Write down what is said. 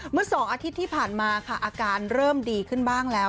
เมื่อ๒อาทิตย์ที่ผ่านมาค่ะอาการเริ่มดีขึ้นบ้างแล้ว